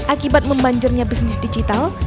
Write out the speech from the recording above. akibat membanjirnya bisnis digital